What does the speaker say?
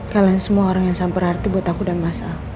kalian semua orang yang sangat berarti buat aku dan massa